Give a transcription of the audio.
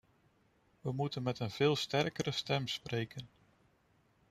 We moeten met een veel sterkere stem spreken.